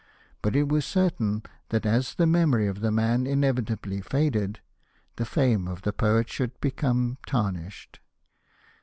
But it was certain that as the memory of the man inevitably faded, the fame of the poet should become tarnished.